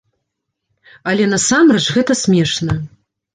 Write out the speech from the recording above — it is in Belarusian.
Але насамрэч гэта смешна.